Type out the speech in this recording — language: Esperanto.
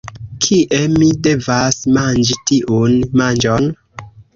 Kie mi devas manĝi tiun manĝon?